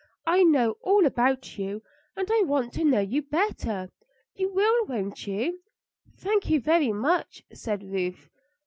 I know all about you, and I want to know you better. You will, won't you?" "Thank you very much," said Ruth.